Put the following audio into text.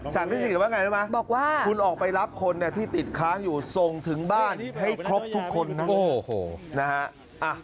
สั่งเทศกิจว่าอย่างไรนะครับคุณออกไปรับคนที่ติดค้างอยู่ทรงถึงบ้านให้ครบทุกคนนะครับ